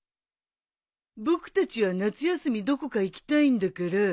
僕たちは夏休みどこか行きたいんだから。